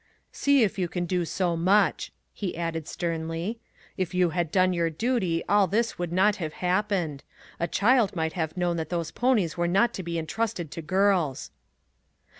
" See if you can do so much," he added sternly. " If you had done your duty, all this would not have happened. A child might have known that those ponies were not to be en trusted to girls."